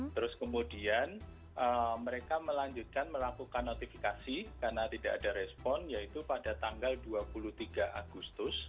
terus kemudian mereka melanjutkan melakukan notifikasi karena tidak ada respon yaitu pada tanggal dua puluh tiga agustus